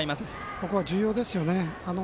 ここは重要ですよね。